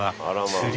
釣り？